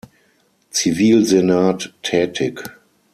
Zivilsenat tätig.